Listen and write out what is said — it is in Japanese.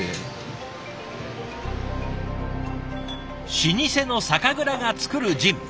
老舗の酒蔵が作るジン。